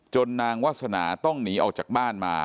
นางวาสนาต้องหนีออกจากบ้านมา